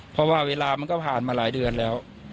เพราะว่าเวลามันก็ผ่านมาหลายเดือนแล้ว